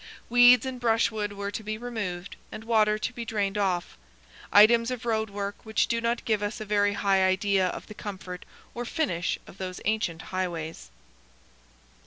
Weeds and brushwood were to be removed, and water to be drained off; items of road work which do not give us a very high idea of the comfort or finish of those ancient highways.